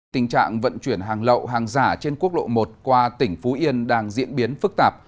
tình trạng vận chuyển hàng lậu hàng giả trên quốc lộ một qua tỉnh phú yên đang diễn biến phức tạp